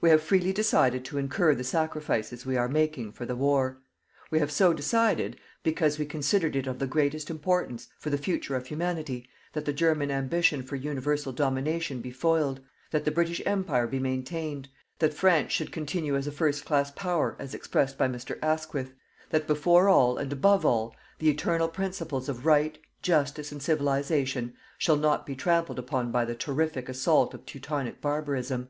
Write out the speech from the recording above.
We have freely decided to incur the sacrifices we are making for the war. We have so decided because we considered it of the greatest importance, for the future of Humanity, that the German ambition for universal domination be foiled; that the British Empire be maintained; that France should continue a first class Power, as expressed by Mr. Asquith; that before all, and above all, the eternal principles of Right, Justice and Civilization, shall not be trampled upon by the terrific assault of teutonic barbarism.